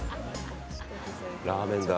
ラーメンだ。